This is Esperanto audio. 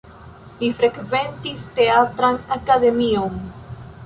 Li frekventis Teatran Akademion.